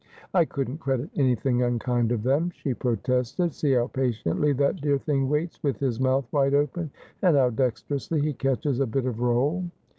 ' I couldn't credit anything unkind of them,' she protested. ' See how patiently that dear thing waits, with his mouth wide open, and how dexterously he catches a bit of roll.'